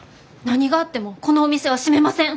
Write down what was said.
何があってもこのお店は閉めません！